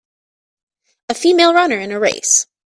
A female runner in a race